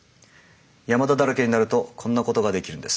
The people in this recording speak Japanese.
山田だらけになるとこんなことができるんです。